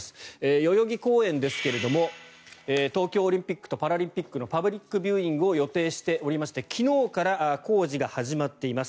代々木公園ですが東京オリンピックとパラリンピックのパブリックビューイングを予定していまして昨日から工事が始まっています。